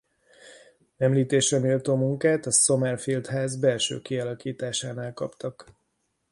Említésre méltó munkát a Sommerfeld-ház belső kialakításánál kaptak.